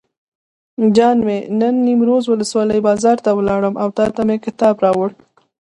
جان مې نن نیمروز ولسوالۍ بازار ته لاړم او تاته مې کتاب راوړل.